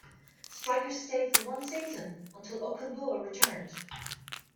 Stryker stayed for one season until Okungbowa returned.